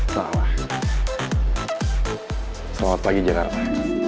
selamat pagi jakarta